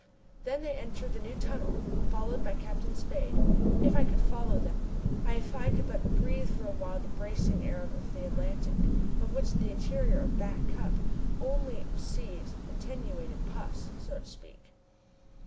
Then they enter the new tunnel, followed by Captain Spade. If I could but follow them! If I could but breathe for awhile the bracing air of the Atlantic, of which the interior of Back Cup only receives attenuated puffs, so to speak.